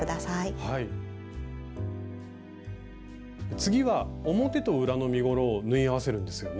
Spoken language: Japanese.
次は表と裏の身ごろを縫い合わせるんですよね？